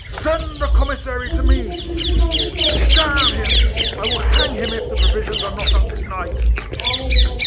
" Send the commissary to me !" he would roar. " D — n him ! I will hang him if the provisions are not up this night